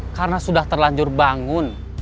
karena sudah terlanjur bangun